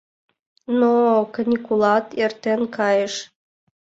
Но каникулат эртен кайыш.